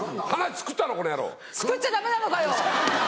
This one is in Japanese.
作っちゃダメなのかよ！